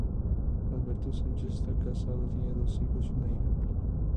Alberto Sánchez está casado y tiene dos hijos y una hija.